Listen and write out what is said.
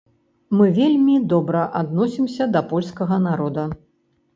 Мы вельмі добра адносімся да польскага народа.